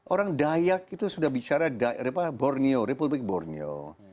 orang dayak itu sudah bicara borneo republik borneo